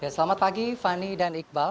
selamat pagi fani dan iqbal